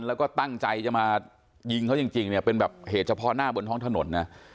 แล้วก็ตั้งใจจะมายิงเขาจริงเนี่ยเป็นแบบเหตุเฉพาะหน้าบนท้องถนนนะ